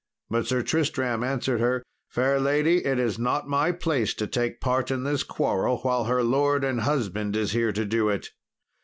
But Sir Tristram answered her, "Fair lady, it is not my place to take part in this quarrel while her lord and husband is here to do it.